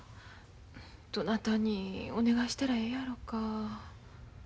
どなたにお願いしたらええやろか。